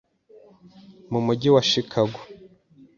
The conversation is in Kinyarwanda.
mu Mujyi wa Chicago